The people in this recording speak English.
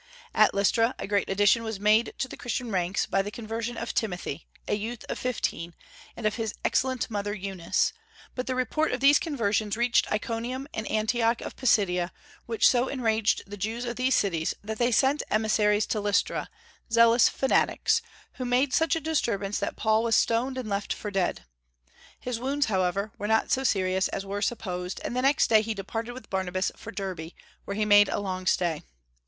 At Lystra a great addition was made to the Christian ranks by the conversion of Timothy, a youth of fifteen, and of his excellent mother Eunice; but the report of these conversions reached Iconium and Antioch of Pisidia, which so enraged the Jews of these cities that they sent emissaries to Lystra, zealous fanatics, who made such a disturbance that Paul was stoned, and left for dead. His wounds, however, were not so serious as were supposed, and the next day he departed with Barnabas for Derbe, where he made a long stay.